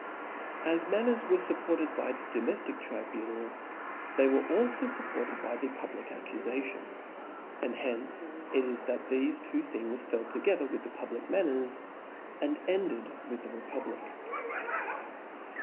A S manners were fuppofed by the domeftic tri ^^ bunal, they were alfo fuppofed by the public accufation ; and hence it is chat thefe two things fell together with the public manners, and ende4 with the republic f